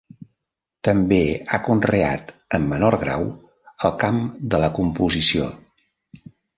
També ha conreat en menor grau el camp de la composició.